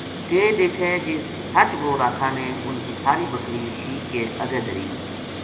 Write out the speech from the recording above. کے دیکھے جے سچ بو راکھا نے اُنھ کی ساری بکری شیک کے اَگے دھری وو